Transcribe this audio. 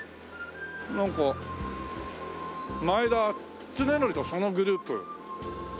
なんか「前田恒憲とそのグループ」。